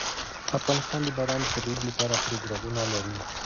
افغانستان د باران د ترویج لپاره پروګرامونه لري.